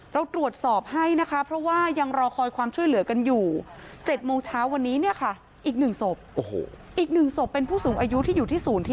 เราตรวจสอบให้อย่างรอคอยความช่วยเหลือกันอยู่